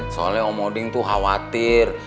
soalnya om odin tuh khawatir